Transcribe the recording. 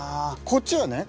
こっちはね